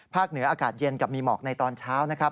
เหนืออากาศเย็นกับมีหมอกในตอนเช้านะครับ